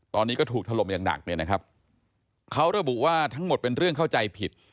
ตอนนี้ก็ถูกถล่มอย่างหนักเนี่ยนะครับเขาระบุว่าทั้งหมดเป็นเรื่องเข้าใจผิด